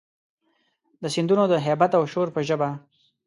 د سیندونو د هیبت او شور په ژبه،